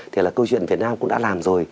thì là câu chuyện việt nam cũng đã làm rồi